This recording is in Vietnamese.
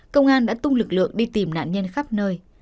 công an đã tung lực lượng đi tìm nạn nhân khắp nơi